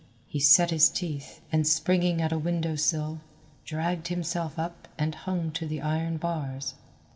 He set his teeth, and springing at a window sill, dragged himself up and hung to the iron bars.